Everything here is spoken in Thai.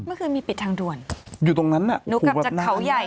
เมื่อคืนมีปิดทางด่วนอยู่ตรงนั้นน่ะหนูกลับจากเขาใหญ่